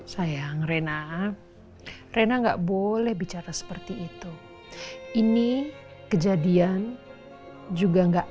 sayang rena rena enggak boleh bicara seperti itu ini kejadian juga enggak